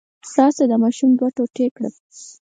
راشه دا ماشوم دوه ټوټې کړه.